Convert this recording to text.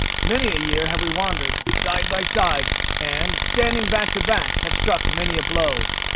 Many a year have we wandered side by side, and, standing back to back, have struck many a blow.